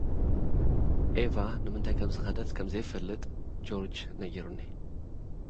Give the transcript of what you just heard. ኤቫ ንምንታይ ከምዝኸደት ከምዘይፈልጥ ጆርጅ ነጊሩኒ